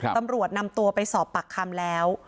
ตำรวจนำตัวไปสอบปากคำแล้ว